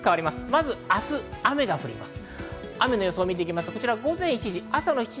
まず明日、雨が降ります。